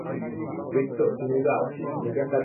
বিট্টো, তুমিও যাও, নিজের কাজ করো।